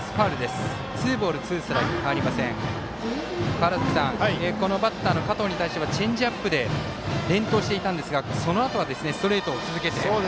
川原崎さん、このバッターの加藤に対してはチェンジアップで連投していたんですがそのあとはストレートを続けて。